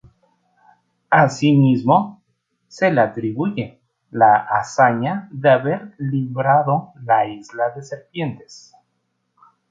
Así mismo, se le atribuye la hazaña de haber librado la isla de serpientes.